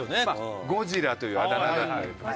ゴジラというあだ名だったりとか。